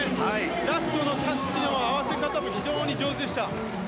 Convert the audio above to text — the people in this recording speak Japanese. ラストのタッチの合わせ方も非常に上手でしたね。